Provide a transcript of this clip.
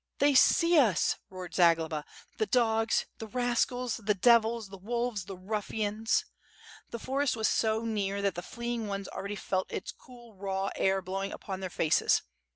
"They see us," roared Zagloba. "The dogs; the rascals; the devils; the wolves; the ruffians!" The forest was so near that the fleeing ones already felt its cool raw air blowing upon their faces.